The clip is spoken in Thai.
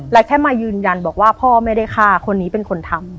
และแค่มายืนยันบอกว่าพ่อไม่ได้ฆ่าคนนี้เป็นคนทำ